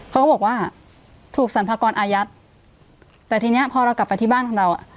เขาก็บอกว่าถูกสรรพากรอายัดแต่ทีเนี้ยพอเรากลับไปที่บ้านของเราอ่ะ